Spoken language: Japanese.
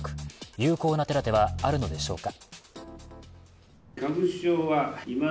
有効な手だてはあるのでしょうか。